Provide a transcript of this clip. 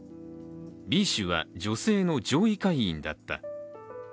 Ｂ氏は、女性の上位会員だった。